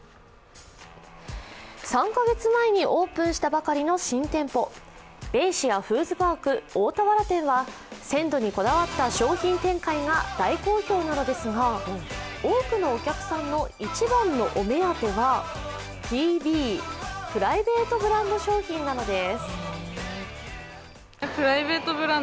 ３カ月前にオープンしたばかりの新店舗、ベイシアフーズパーク大田原店は、鮮度にこだわった商品展開が大好評なのですが多くのお客さんの一番のお目当ては、ＰＢ＝プライベートブランド商品なのです。